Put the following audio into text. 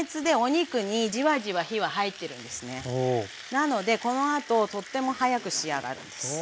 なのでこのあととっても早く仕上がるんです。